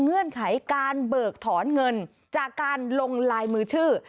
เงื่อนไขการเบิกถอนเงินจากการลงลายมือชื่อ